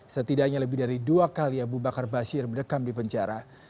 setidaknya lebih dari dua kali abu bakar basir mendekam di penjara